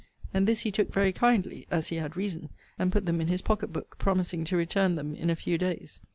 And this he took very kindly (as he had reason); and put them in his pocket book, promising to return hem in a few days.